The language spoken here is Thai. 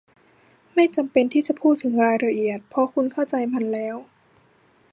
ไม่จำเป็นที่จะพูดถึงรายละเอียด เพราะคุณเข้าใจมันแล้ว